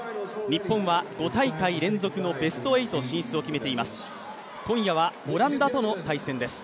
日本は５大会連続のベスト８進出を決めています。